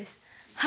はい。